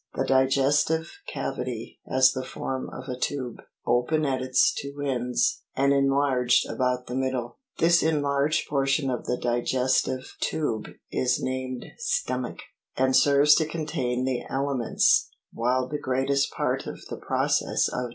The diges tive cavity has the form of a tube, open at its two ends ana enlarged about the middle. This enlarged portion of the diges tive tube is named stomach, and serves to contain the aliments, while the greatest part of the process of digestion is performed.